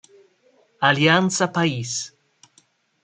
Alianza País